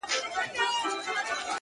د زړگي ښار ته مي لړم د لېمو مه راوله؛